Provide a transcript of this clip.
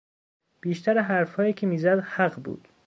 بیشتر حرفهایی که میزد حق بود.